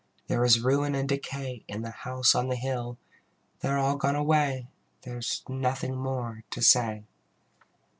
There is ruin and decay In the House on the Hill: They are all gone away, There is nothing more to say.